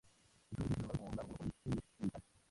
Es un edificio catalogado como grado I por el English Heritage.